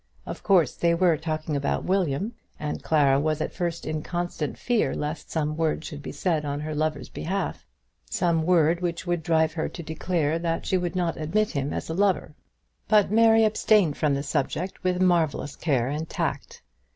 Of course they were talking about William, and Clara was at first in constant fear lest some word should be said on her lover's behalf, some word which would drive her to declare that she would not admit him as a lover; but Mary abstained from the subject with marvellous care and tact.